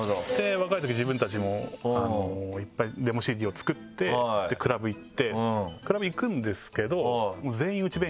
若いとき自分たちもいっぱいデモＣＤを作ってクラブ行ってクラブ行くんですけど。